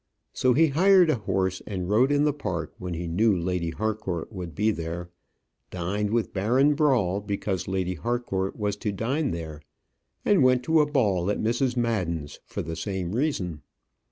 So he hired a horse, and rode in the Park when he knew Lady Harcourt would be there, dined with Baron Brawl because Lady Harcourt was to dine there, and went to a ball at Mrs. Madden's for the same reason.